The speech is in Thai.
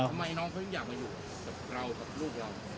ทำไมน้องเขายังอยากมาอยู่